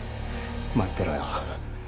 待ってろよ。